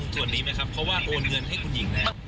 ส่วนนี้ไหมครับเพราะว่าโอนเงินให้คุณหญิงแล้ว